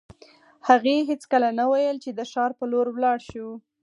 هغې هېڅکله نه ویل چې د ښار په لور ولاړ شو